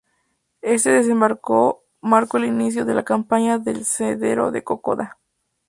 Este desembarco marcó el inicio de la Campaña del Sendero de Kokoda.